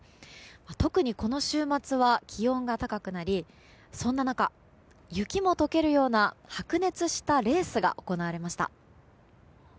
特にこの週末は気温が高くなりそんな中、雪も解けるような白熱したレースが行われました。